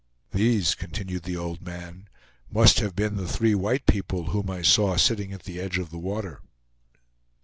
"These," continued the old man, "must have been the three white people whom I saw sitting at the edge of the water."